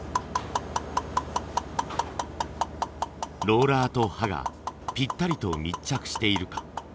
ローラーと刃がぴったりと密着しているか。